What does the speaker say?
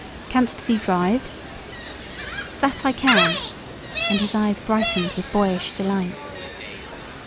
"Canst thee drive?" "That I can!" and his eyes brightened with boyish delight.